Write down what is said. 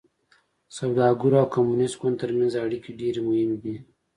سوداګرو او کمونېست ګوند ترمنځ اړیکې ډېرې مهمې دي.